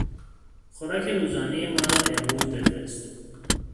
خوراک روزانهی ما را امروز بفرست.